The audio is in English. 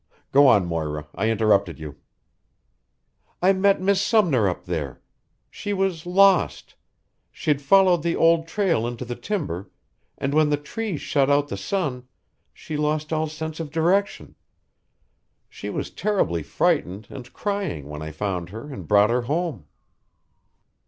Go on, Moira. I interrupted you." "I met Miss Sumner up there. She was lost; she'd followed the old trail into the timber, and when the trees shut out the sun, she lost all sense of direction. She was terribly frightened and crying when I found her and brought her home."